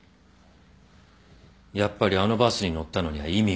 やっぱりあのバスに乗ったのには意味がある。